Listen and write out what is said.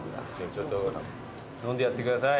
ちょっと飲んでやってください。